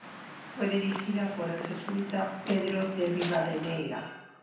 Fue dirigida por el jesuita Pedro de Ribadeneyra.